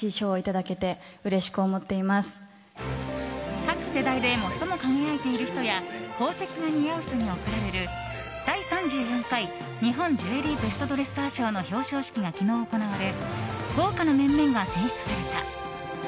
各世代で、最も輝いている人や宝石が似合う人に贈られる第３４回日本ジュエリーベストドレッサー賞の表彰式が昨日、行われ豪華な面々が選出された。